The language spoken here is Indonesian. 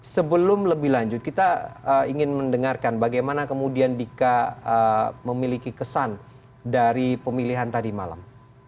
sebelum lebih lanjut kita ingin mendengarkan bagaimana kemudian dika memiliki kesan dari pemilihan tadi malam